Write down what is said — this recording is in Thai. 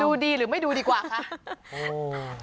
ดูดีหรือไม่ดูดีกว่าคะ